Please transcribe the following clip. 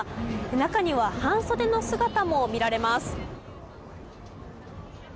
中には半袖の姿も見られます。